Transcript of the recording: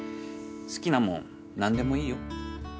好きなもん何でもいいよ。